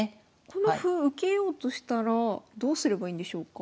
この歩を受けようとしたらどうすればいいんでしょうか？